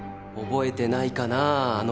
覚えてないかなあ？